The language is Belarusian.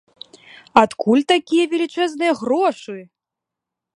Адкуль такія велічэзныя грошы?